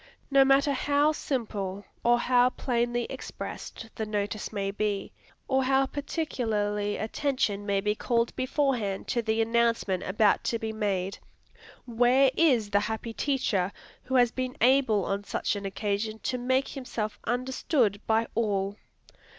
No matter how simple, or how plainly expressed, the notice may be, or how particularly attention may be called beforehand to the announcement about to be made, where is the happy teacher who has been able on such an occasion to make himself understood by all?